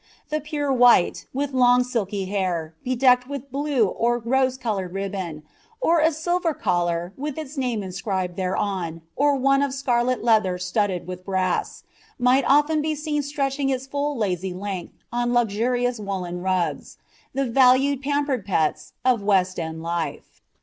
The pure white, with long silky hair, bedecked with blue or rose colour ribbon, or a silver collar with its name inscribed thereon or one of scarlet leather studded with brass, might often be seen stretching its full lazy length on luxurious woollen rugs the valued, pampered pets of "West End" life.